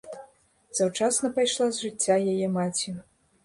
Заўчасна пайшла з жыцця яе маці.